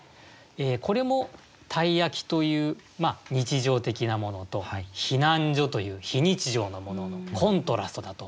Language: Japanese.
これも「鯛焼」という日常的なものと「避難所」という非日常のもののコントラストだと思うんですね。